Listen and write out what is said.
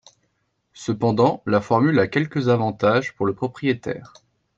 Cependant la formule a quelques avantages pour le propriétaire.